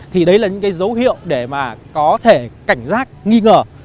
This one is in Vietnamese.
thì đấy là những cái dấu hiệu để mà có thể cảnh giác nghi ngờ